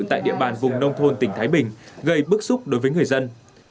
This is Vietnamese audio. tại địa bàn vùng nông thôn tỉnh thái bình gây bức xúc đối với người dân